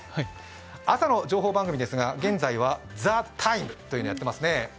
朝の情報番組ですが、現在は「ＴＨＥＴＩＭＥ，」をやっていますね。